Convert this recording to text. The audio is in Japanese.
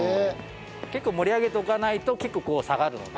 結構盛り上げておかないと結構下がるので。